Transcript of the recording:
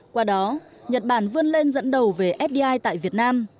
qua đó nhật bản vươn lên dẫn đầu về fdi tại việt nam